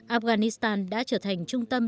afghanistan đã trở thành trung tâm